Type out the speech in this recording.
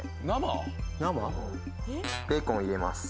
ベーコン入れます。